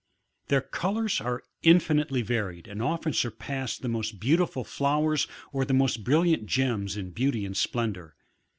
Their colours are infinitely varied and often surpass the most beautiful flowers or the most brilliant gems in beauty and sfden dour.